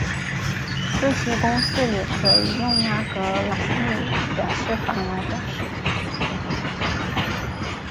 这些公式也可以用拉格朗日表示法来表示。